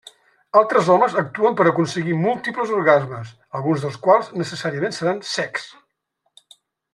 Altres homes actuen per aconseguir múltiples orgasmes, alguns dels quals, necessàriament, seran secs.